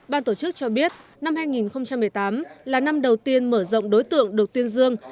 ban tổ chức cho biết năm hai nghìn một mươi tám là năm đầu tiên mở rộng đối tượng được tuyên dương